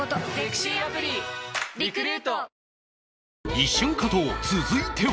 一瞬加藤続いては